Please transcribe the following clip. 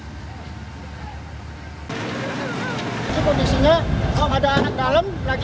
pada saat kejadian asap pekat terjadi saat aktivitas di gudang baru berhenti beroperasi